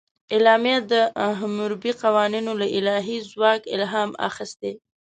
اعلامیه د حموربي قوانینو له الهي ځواک الهام اخیستی و.